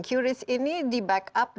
qris ini di backup